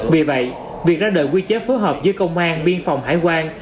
vì vậy việc ra đời quy chế phối hợp giữa công an biên phòng hải quan